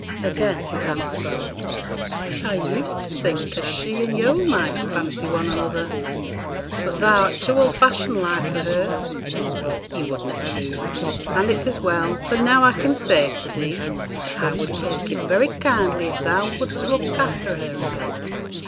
Again his aunt spoke 'I used to think as she and yo' might fancy one another, but thou'rt too old fashioned like for her; ye would na' suit; and it's as well, for now I can say to thee, that I would take it very kindly if thou would'st look after her a bit.'